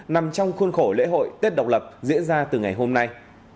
nằm trong khuôn khổ lễ hội tết độc lập diễn ra từ ngày hôm nay